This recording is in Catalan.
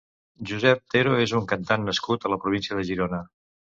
Josep Tero és un cantant nascut a la província de Girona.